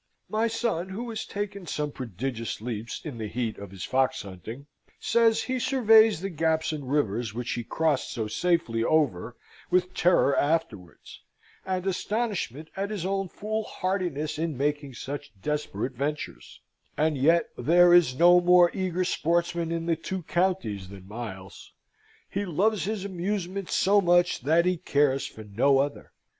My son, who has taken some prodigious leaps in the heat of his fox hunting, says he surveys the gaps and rivers which he crossed so safely over with terror afterwards, and astonishment at his own foolhardiness in making such desperate ventures; and yet there is no more eager sportsman in the two counties than Miles. He loves his amusement so much that he cares for no other.